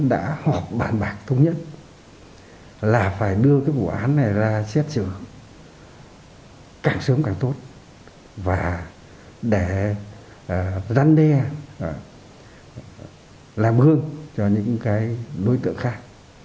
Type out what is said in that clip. đã họp bản bạc thống nhất là phải đưa cái vụ án này ra xét xử càng sớm càng tốt và để răn đe làm gương cho những cái đối tượng khác